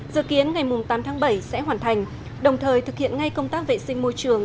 dự kiến ngày tám tháng bảy sẽ hoàn thành đồng thời thực hiện ngay công tác vệ sinh môi trường